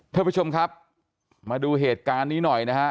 ท่านผู้ชมครับมาดูเหตุการณ์นี้หน่อยนะฮะ